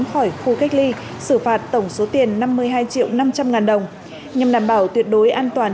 khỏi khu cách ly xử phạt tổng số tiền năm mươi hai triệu năm trăm linh ngàn đồng nhằm đảm bảo tuyệt đối an toàn